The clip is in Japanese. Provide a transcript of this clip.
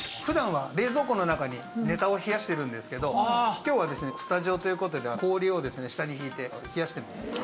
普段は冷蔵庫の中にネタを冷やしてるんですけど今日はスタジオということで氷を下に引いて冷やしてます。